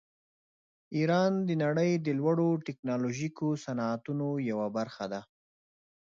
ایران د نړۍ د لوړو ټیکنالوژیکو صنعتونو یوه برخه ده.